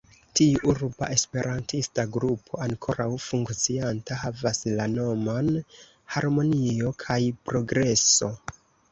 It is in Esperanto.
Tiu urba esperantista grupo, ankoraŭ funkcianta, havas la nomon "harmonio kaj progreso".